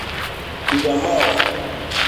Higa maok.